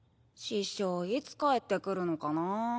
師匠いつ帰って来るのかなぁ。